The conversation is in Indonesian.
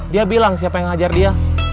dia bilang siapa yang ngajar dia